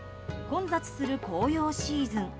混雑する紅葉シーズン。